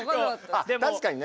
あ確かにね